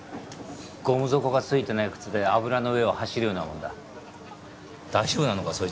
ゴム底がついてない靴で油の上を走るようなもんだ大丈夫なのか？